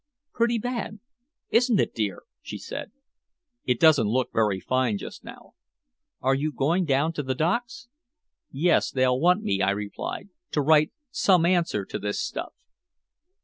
"Pretty bad, isn't it, dear?" she said. "It doesn't look very fine just now." "Are you going down to the docks?" "Yes, they'll want me," I replied, "to write some answer to this stuff."